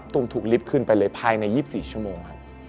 ตูมถูกลิฟต์ขึ้นไปเลยภายใน๒๔ชั่วโมง